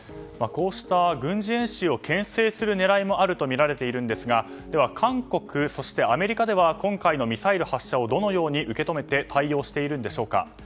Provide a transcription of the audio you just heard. こうした軍事演習を牽制する狙いもあるとみられているんですがでは韓国、そしてアメリカでは今回のミサイル発射をどのように受け止めて対応しているんでしょうか。